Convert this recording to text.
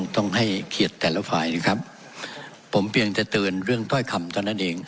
ต้องให้เกียรติแต่ละฝ่ายนะครับผมเพียงจะเตือนเรื่องถ้อยคำเท่านั้นเอง